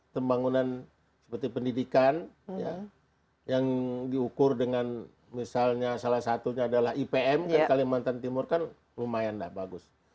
pembangunan seperti pendidikan yang diukur dengan misalnya salah satunya adalah ipm kan kalimantan timur kan lumayan bagus